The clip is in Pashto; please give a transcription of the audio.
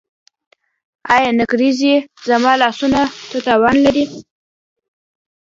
ایا نکریزې زما لاسونو ته تاوان لري؟